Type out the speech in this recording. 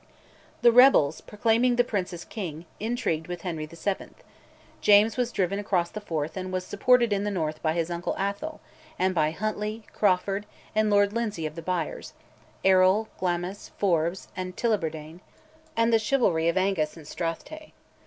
The rebels, proclaiming the prince as king, intrigued with Henry VII.; James was driven across the Forth, and was supported in the north by his uncle, Atholl, and by Huntly, Crawford, and Lord Lindsay of the Byres, Errol, Glamis, Forbes, and Tullibardine, and the chivalry of Angus and Strathtay.